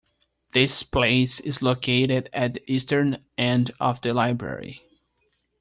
This place is located at the eastern end of the Library.